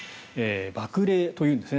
爆冷というんですね